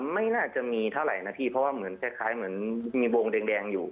ไม่น่าจะมีเท่าไหร่นะพี่เพราะว่าเหมือนคล้ายเหมือนมีวงแดงอยู่